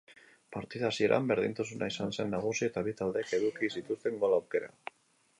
Partida hasieran berdintasuna izan zen nagusi eta bi taldeek eduki zituzten gol aukera.